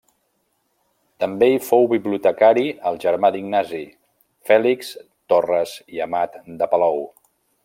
També hi fou bibliotecari el germà d'Ignasi, Fèlix Torres i Amat de Palou.